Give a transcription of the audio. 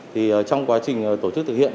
thì trong quá trình tổ chức thực hiện